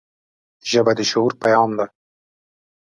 ژبه د شعور پیغام ده